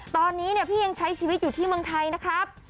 ตอนนี้พี่ยังใช้ชีวิตอยู่ที่เมืองไทยนะครับ